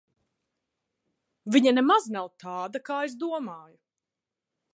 Viņa nemaz nav tāda, kā es domāju.